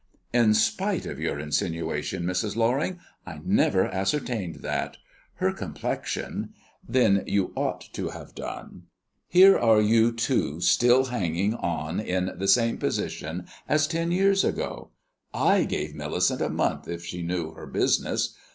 "In spite of your insinuation, Mrs. Loring, I never ascertained that. Her complexion " "Then you ought to have done. Here are you two still hanging on in the same position as ten years ago. I gave Millicent a month if she knew her business.